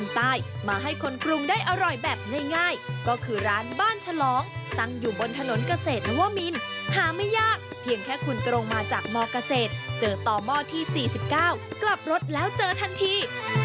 ถ้าให้คนกรุงได้อร่อยแบบง่ายก็คือร้านบ้านฉลองตั้งอยู่บนถนนเกษตรนัวมินหาไม่ยากเพียงแค่คุณตรงมาจากหมอกเกษตรเจอต่อหมอที่๔๙กลับรถแล้วเจอทันที